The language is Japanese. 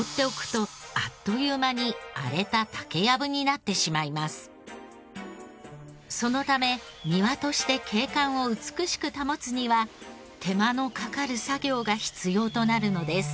放っておくとそのため庭として景観を美しく保つには手間のかかる作業が必要となるのです。